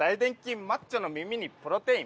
マッチョの耳にプロテイン。